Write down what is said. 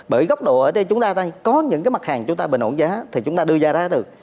bởi góc độ ở đây chúng ta có những cái mặt hàng chúng ta bình ổn giá thì chúng ta đưa ra ra được